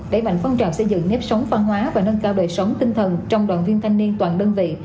đẩy mạnh phong trào xây dựng nếp sống văn hóa và nâng cao đời sống tinh thần trong đoàn viên thanh niên toàn đơn vị